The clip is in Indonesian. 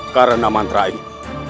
karena mantra ini